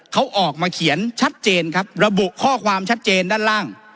เขาออกมาเขียนชัดเจนครับระบุข้อความชัดเจนด้านล่าง